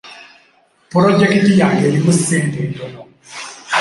Pulojekiti yange erimu sente ntono.